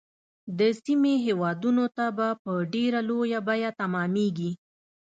د سیمې هیوادونو ته به په ډیره لویه بیعه تمامیږي.